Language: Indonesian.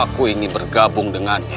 aku ingin bergabung dengannya kisana